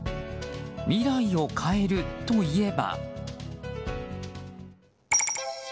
未来を変えるといえば。